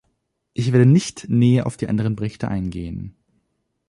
Ich werde nicht näher auf die anderen Berichte eingehen.